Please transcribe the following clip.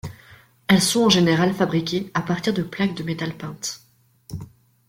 Elles sont en général fabriquées à partir de plaques de métal peintes.